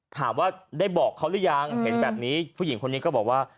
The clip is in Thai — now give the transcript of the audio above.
ถามว่าได้บอกเขาหรือยังเห็นแบบนี้ผู้หญิงคนนี้ก็บอกว่า